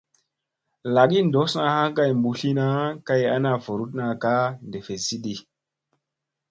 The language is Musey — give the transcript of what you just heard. Lagi ɗossa ha kay mɓutlina kay ana vuruɗna ka ɗeffesidi.